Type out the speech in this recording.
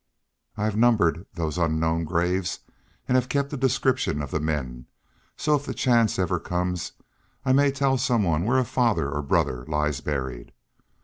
I've numbered those unknown graves and have kept a description of the men, so, if the chance ever comes, I may tell some one where a father or brother lies buried.